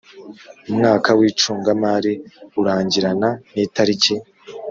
Mwaka w icungamari urangirana n itariki